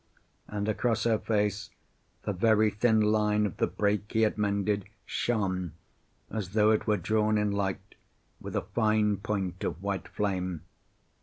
And across her face the very thin line of the break he had mended shone as though it were drawn in light with a fine point of white flame.